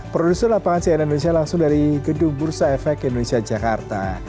produser lapangan cnn indonesia langsung dari gedung bursa efek indonesia jakarta